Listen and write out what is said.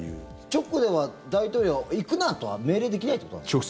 直では大統領行くなとは命令できないってことですか？